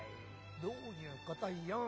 どういうことよん！